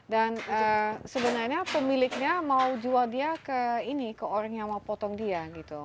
dan sebenarnya pemiliknya mau jual dia ke orang yang mau potong dia